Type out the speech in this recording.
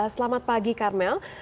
selamat pagi karmel